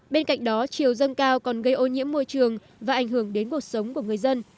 bên cạnh đó chiều dâng cao còn gây ô nhiễm môi trường và ảnh hưởng đến cuộc sống của người dân